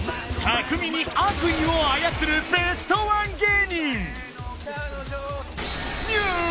巧みに悪意を操るベストワン芸人